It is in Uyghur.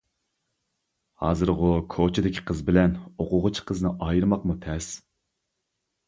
ھازىرغۇ كوچىدىكى قىز بىلەن ئوقۇغۇچى قىزنى ئايرىماقمۇ تەس.